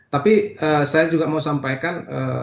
tapi saya juga mau sampaikan